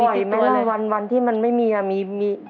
บ่อยมั้ยล่ะวันที่มันไม่มีอะมี